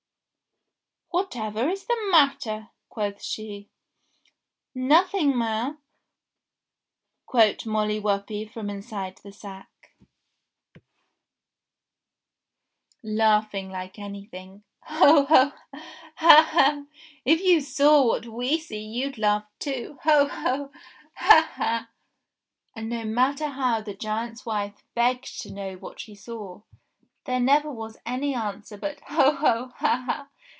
"Whatever is the matter V* quoth she. "Nothing, 'm," quoth Molly Whuppie from inside the sack, laughing like anything. " Ho, ho ! Ha, ha ! If you saw what we see you'd laugh too. Ho, ho ! Ha, ha !" 344 ENGLISH FAIRY TALES And no matter how the giant's wife begged to know what she saw, there never was any answer but, *'Ho, ho ! Ha, ha